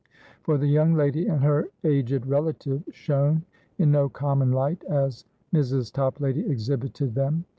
For the young lady and her aged relative shone in no common light as Mrs. Toplady exhibited them.